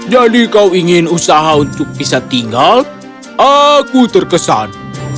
jadi kau ingin usaha untuk bisa tinggal aku terkesan